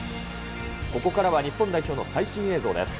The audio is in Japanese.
ここからは日本代表の最新映像です。